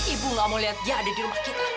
ibu gak mau lihat dia ada di rumah kita